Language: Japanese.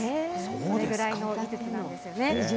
それぐらいの軽さなんですよね。